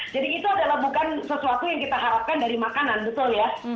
jadi itu adalah bukan sesuatu yang kita harapkan dari makanan betul ya